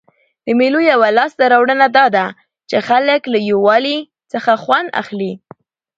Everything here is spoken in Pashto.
د مېلو یوه لاسته راوړنه دا ده، چي خلک له یووالي څخه خوند اخلي.